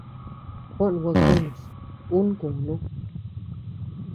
Juó gua kunus, un kunú.